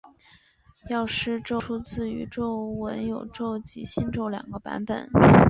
药师咒出自于咒文有全咒及心咒两个版本。